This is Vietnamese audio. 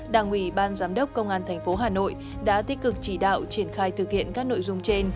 đảng ủy ban giám đốc công an tp hà nội đã tích cực chỉ đạo triển khai thực hiện các nội dung trên